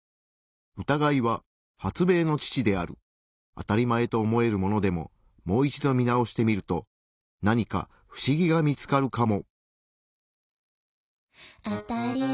あたりまえと思えるものでももう一度見直してみるとなにかフシギが見つかるかも。